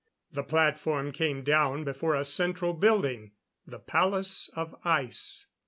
The platform came down before a central building the Palace of Ice.